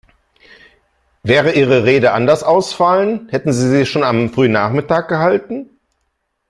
Wäre Ihre Rede anders ausfallen, hätten Sie sie schon am frühen Nachmittag gehalten?